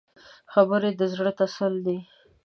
خبرې د زړه تسل دي